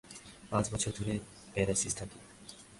পাঁচ বছর ধরে প্যারিসে থাকি।